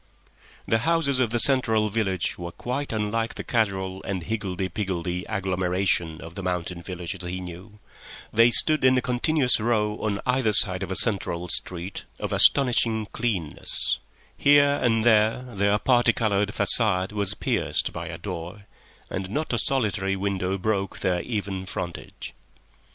The houses of the central village were quite unlike the casual and higgledy piggledy agglomeration of the mountain villages he knew; they stood in a continuous row on either side of a central street of astonishing cleanness, here and there their parti coloured facade was pierced by a door, and not a solitary window broke their even frontage.